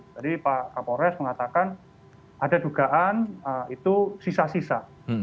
jadi pak kapolres mengatakan ada dugaan itu sisa sisa